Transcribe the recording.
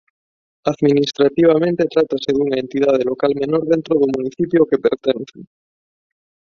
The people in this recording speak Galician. Administrativamente trátase dunha Entidade Local Menor dentro do municipio ao que pertence.